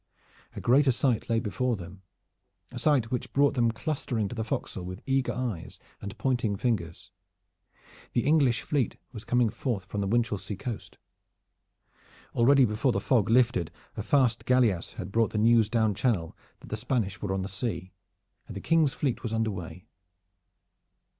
A greater sight lay before them a sight which brought them clustering to the forecastle with eager eyes and pointing fingers. The English fleet was coming forth from the Winchelsea Coast. Already before the fog lifted a fast galleass had brought the news down Channel that the Spanish were on the sea, and the King's fleet was under way.